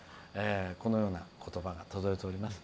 このような言葉が届いております。